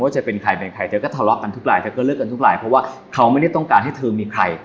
จะเป็นใครเป็นใครเธอก็ทะเลาะกันทุกลายเธอก็เลิกกันทุกลายเพราะว่าเขาไม่ได้ต้องการให้เธอมีใคร